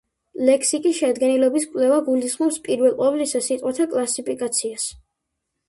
ლექსიკის შედგენილობის კვლევა გულისხმობს, პირველ ყოვლისა, სიტყვათა კლასიფიკაციას.